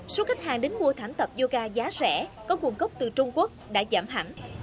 số khách hàng đến mua thảm tập yoga giá rẻ có nguồn cốc từ trung quốc đã giảm hẳn